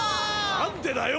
なんでだよ！